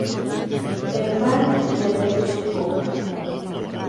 Hermann Dietrich Upmann.